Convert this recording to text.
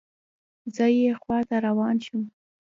زه یې خواته روان شوم.